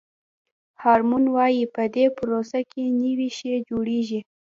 هارمون وایي په دې پروسه کې نوی شی جوړیږي.